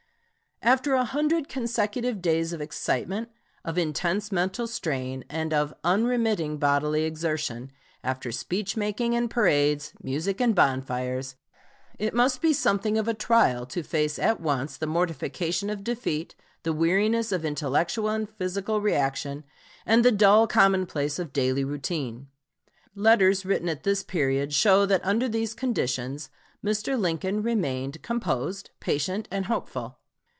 After a hundred consecutive days of excitement, of intense mental strain, and of unremitting bodily exertion, after speech making and parades, music and bonfires, it must be something of a trial to face at once the mortification of defeat, the weariness of intellectual and physical reaction, and the dull commonplace of daily routine. Letters written at this period show that under these conditions Mr. Lincoln remained composed, patient, and hopeful.